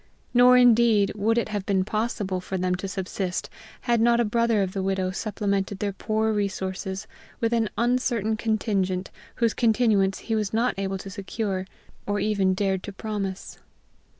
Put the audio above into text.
Nor, indeed, would it have been possible for them to subsist had not a brother of the widow supplemented their poor resources with an uncertain contingent, whose continuance he was not able to secure, or even dared to promise.